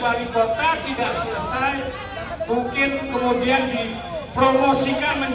aku tahu ada satu orang yang exhale